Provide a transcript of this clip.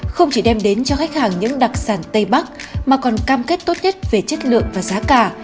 không chỉ đem đến cho khách hàng những đặc sản tây bắc mà còn cam kết tốt nhất về chất lượng và giá cả